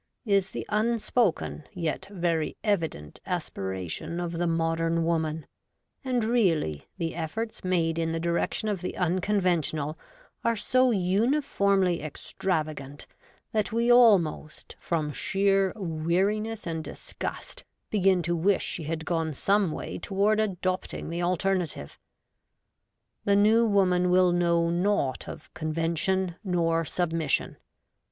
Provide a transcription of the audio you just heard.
' is the unspoken, yet very evident, aspiration of the Modern Woman ; and, really, the efforts made in the direction of the unconventional are so uniformly extravagant that we almost, from sheer weariness and disgust, begin to wish she had gone some way toward adopt ing the alternative. 10 REVOLTED WOMAN. The New Woman will know naught of conven tion, nor submission.